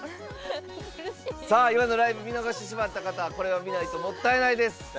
今のライブを見逃してしまった方はこれを見ないともったいないです。